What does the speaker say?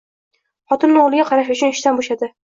Xotini o`g`liga qarash uchun ishidan bo`shadi